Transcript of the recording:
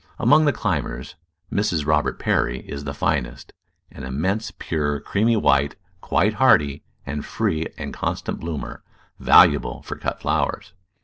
Among the climbers Mrs. Robert Perry is the finest, an im mense, pure, creamy white, quite hardy, and a free and constant bloomer, valuable for cut flowers.